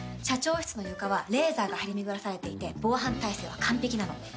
社長室の床はレーザーが張り巡らされていて防犯体制は完璧なの。